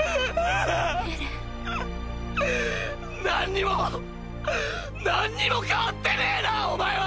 何にも何にも変わってねぇなお前は！！